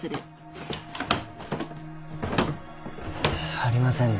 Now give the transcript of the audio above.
ありませんね。